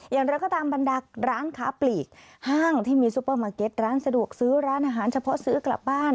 อย่างไรก็ตามบรรดาร้านค้าปลีกห้างที่มีซูเปอร์มาร์เก็ตร้านสะดวกซื้อร้านอาหารเฉพาะซื้อกลับบ้าน